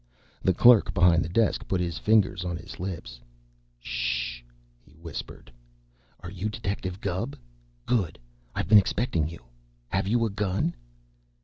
The clerk behind the desk put his fingers on his lips. "Sh!" he whispered. "Are you Detective Gubb? Good! I've been expecting you. Have you a gun?"